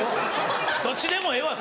どっちでもええわ！